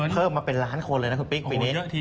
เพิ่มมาเป็นล้านคนเลยนะคุณปิ๊กปีนี้